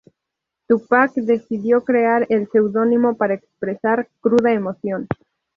Tupac decidió crear el seudónimo para expresar "cruda emoción".